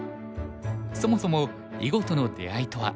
そもそも囲碁との出会いとは。